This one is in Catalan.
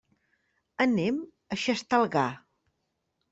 Anem a Xestalgar.